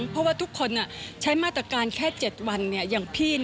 เพราะว่าทุกคนใช้มาตรการแค่๗วันอย่างพี่